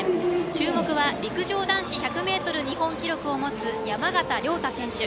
注目は陸上男子１００ｍ日本記録を持つ山縣亮太選手。